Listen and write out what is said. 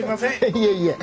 いえいえ。